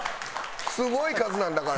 すごい数なんだから。